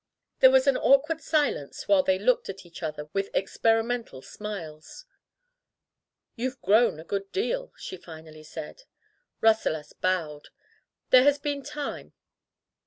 There was an awkward silence while they looked at each other with experimental smiles. "You've grown a good deal," she finally said. Rasselas bowed. "There has been time.